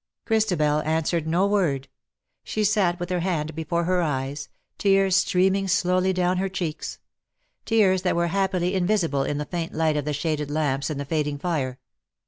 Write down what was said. Christabel answered no word. She sat with her hand before her eyes — tears streaming slowly down her cheeks — tears that were happily invisible in the faint light of the shaded lamps and the fading fire.